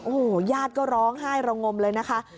โอ้โหญาติก็ร้องไห้ระงมเลยนะคะ